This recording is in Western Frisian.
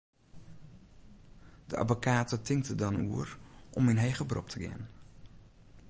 De abbekate tinkt der dan oer om yn heger berop te gean.